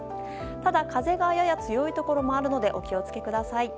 ただ風がやや強いところもあるのでお気を付けください。